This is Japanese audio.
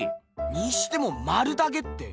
にしてもまるだけって。